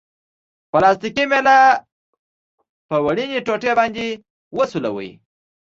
پلاستیکي میله په وړیني ټوټې باندې وسولوئ.